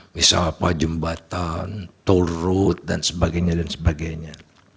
misalnya pojumbatan toll road dan sebagainya